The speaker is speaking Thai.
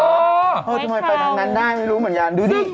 เออทำไมไปทางนั้นได้ไม่รู้เหมือนกันดูดิ